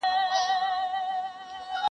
نر دي بولم که ایمان دي ورته ټینګ سو!